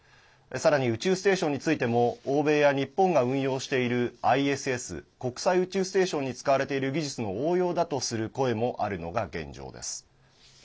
さらに宇宙ステーションについても欧米や日本が運用しているＩＳＳ＝国際宇宙ステーションに使われている技術の応用だとする声もあるのが現状です。